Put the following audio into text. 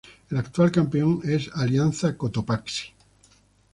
El actual campeón es Alianza Cotopaxi.